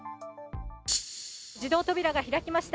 自動扉が開きました。